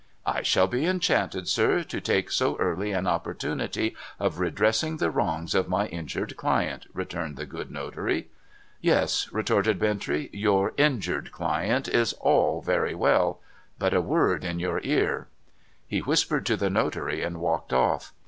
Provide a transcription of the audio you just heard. ' I shall be enchanted, sir, to take so early an opportunity of redressing the wrongs of my injured client,' returned the good notary. ' Yes,' retorted Bintrey ;' your injured client is all very well — but — a word in your ear.' He whispered to the notary and walked off.